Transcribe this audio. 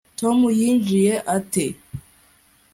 tom yinjiye ate